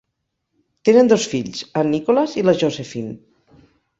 Tenen dos fills, en Nicholas i la Josephine.